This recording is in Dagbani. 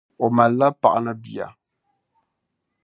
O mali la paɣa ni bia..